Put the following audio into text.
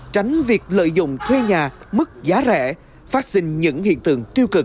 tránh việc lợi dụng thuê nhà mức giá rẻ phát sinh những hiện tượng tiêu cực